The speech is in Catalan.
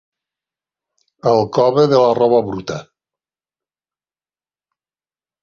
El cove de la roba bruta.